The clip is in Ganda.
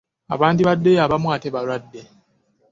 Abandibaddeyo abamu ate balwadde.